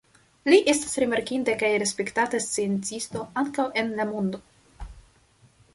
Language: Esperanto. Li estas rimarkinda kaj respektata sciencisto ankaŭ en la mondo.